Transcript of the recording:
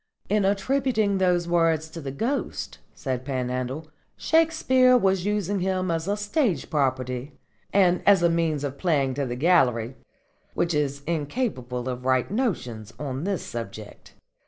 "In attributing those words to the Ghost," said Panhandle, "Shakespeare was using him as a stage property and as a means of playing to the gallery, which is incapable of right notions on this subject.